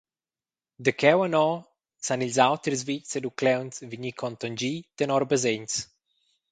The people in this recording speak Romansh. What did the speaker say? Da cheu anora san ils auters vitgs ed uclauns vegnir contonschi tenor basegns.